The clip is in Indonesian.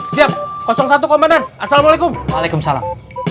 siap satu komandan assalamualaikum waalaikumsalam